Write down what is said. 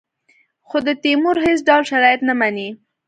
خو د تیمور هېڅ ډول شرایط نه مني.